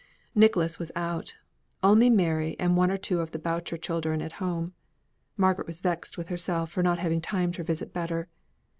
Nicholas was out; only Mary and one or two of the Boucher children at home. Margaret was vexed with herself for not having timed her visit better.